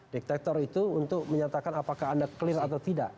dektektor itu untuk menyatakan apakah anda clear atau tidak